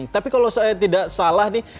tapi kalau saya tidak salah nih